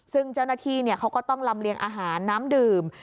ซึ่งเจ้าหน้าที่เขาก็ต้องลำเลียงอาหารน้ำดื่ม